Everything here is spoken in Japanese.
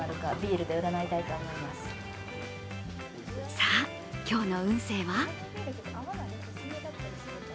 さぁ、今日の運勢は？